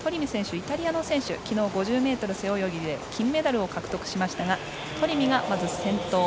イタリアの選手昨日５０ｍ背泳ぎで金メダルを獲得したトリミがまず先頭。